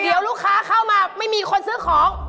เดี๋ยวลูกค้าเข้ามาไม่มีคนซื้อของ